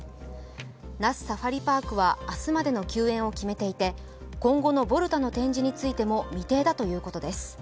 那須サファリパークは明日までの休園を決めていて、今後のボルタの展示についても未定だということです。